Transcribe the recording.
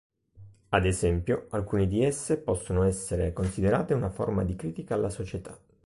Ad esempio, alcune di esse possono essere considerate una forma di critica alla società.